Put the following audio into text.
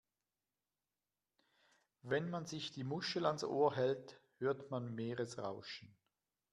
Wenn man sich die Muschel ans Ohr hält, hört man Meeresrauschen.